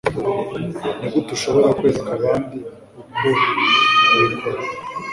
ni gute ushobora kwereka abandi uko babikora